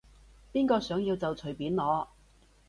邊個想要就隨便攞